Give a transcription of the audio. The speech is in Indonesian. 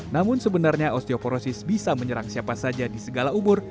namun sebenarnya osteoporosis bisa menyerang siapa saja di segala umur